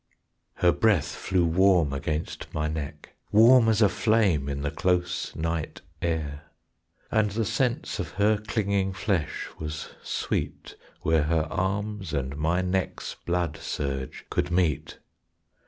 Her breath flew warm against my neck, Warm as a flame in the close night air; And the sense of her clinging flesh was sweet Where her arms and my neck's blood surge could meet.